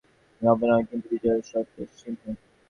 তবে কি জনো, ত্রিপুরার গড়ও বড়ো কম নহে, কিন্তু বিজয়গড়ের– সুচেতসিংহ।